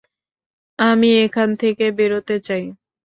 আমি এখান থেকে বেরোতে চাই।